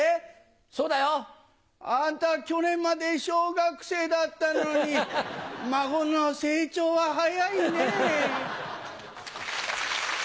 そうだよ。あんた去年まで小学生だったのに孫の成長は早いねぇ。